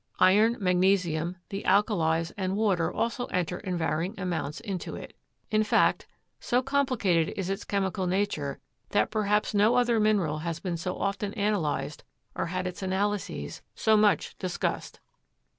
Iron, magnesium, the alkalies, and water also enter in varying amounts into it. In fact, so complicated is its chemical nature that perhaps no other mineral has been so often analyzed or had its analyses so much discussed.